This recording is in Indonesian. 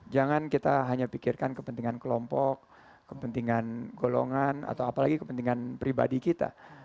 jangan kita hanya pikirkan kepentingan kelompok kepentingan golongan atau apalagi kepentingan pribadi kita